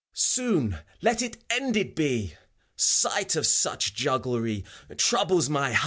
PAuar. Soon let it ended be I Sight of such jugglery Troubles my heart.